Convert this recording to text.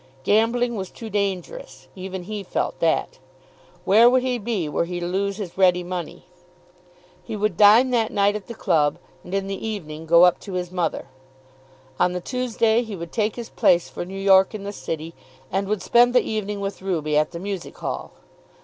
Gambling was too dangerous. Even he felt that. Where would he be were he to lose his ready money? He would dine that night at the club, and in the evening go up to his mother. On the Tuesday he would take his place for New York in the City, and would spend the evening with Ruby at the Music Hall.